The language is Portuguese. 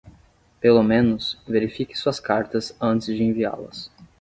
Pelo menos, verifique suas cartas antes de enviá-las.